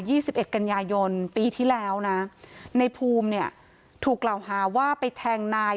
สิบเอ็ดกันยายนปีที่แล้วนะในภูมิเนี่ยถูกกล่าวหาว่าไปแทงนาย